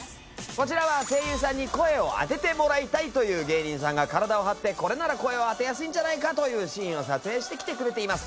こちらは声優さんに声をあててもらいたいという芸人さんが体を張ってこれなら声をあてやすいんじゃないかというシーンを撮影してきてくれています。